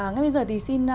ngay bây giờ thì xin